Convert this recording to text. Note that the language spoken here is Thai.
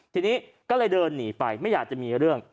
ทีนี้ก็เลยเดินหนีไปไม่อยากจะมีเรื่อง